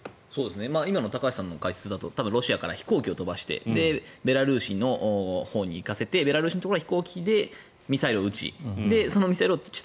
今の高橋さんの解説だとロシアから飛行機を飛ばしてベラルーシのほうに行かせてベラルーシのところは飛行機でミサイルを撃ちそのミサイルを地